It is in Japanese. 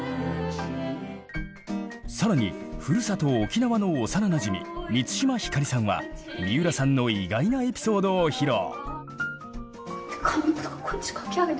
更にふるさと沖縄の幼なじみ満島ひかりさんは三浦さんの意外なエピソードを披露。